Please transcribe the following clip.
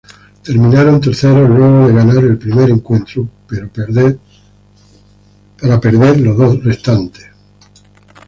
Terminaron terceros luego de ganar el primer encuentro pero perder los dos restantes.